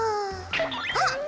あっ！